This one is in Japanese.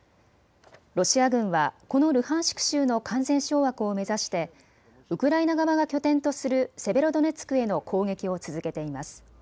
ロシア軍はこのルハンシク州の完全掌握を目指してウクライナ側が拠点とするセベロドネツクへの攻撃を続けています。